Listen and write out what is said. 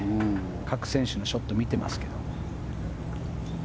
各選手のショット見てますけども。